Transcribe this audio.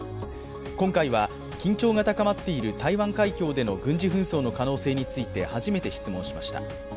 今回は緊張が高まっている台湾海峡での軍事紛争の可能性について初めて質問しました。